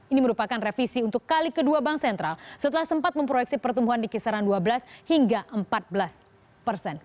ini merupakan revisi untuk kali kedua bank sentral setelah sempat memproyeksi pertumbuhan di kisaran dua belas hingga empat belas persen